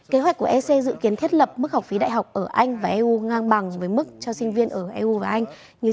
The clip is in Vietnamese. kế hoạch của ec dự kiến thiết lập mức học phí đại học ở anh và eu ngang bằng với mức học phí đại học ở trung quốc